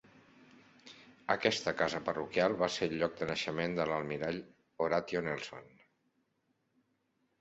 Aquest casa parroquial va ser el lloc de naixement de l'almirall Horatio Nelson.